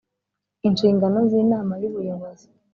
Inshingano z Inama y Ubuyobozi